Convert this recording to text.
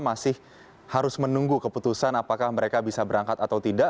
masih harus menunggu keputusan apakah mereka bisa berangkat atau tidak